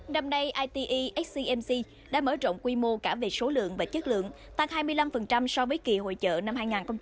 năm nay ite xcmc đã mở rộng quy mô cả về số lượng và chất lượng tăng hai mươi năm so với kỳ hội trợ năm hai nghìn một mươi chín